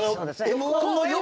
Ｍ−１の横。